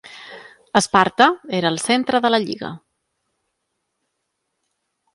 Esparta era el centre de la lliga.